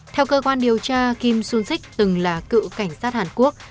theo cơ quan điều tra kim sung sik từng là cựu cảnh sát hàn quốc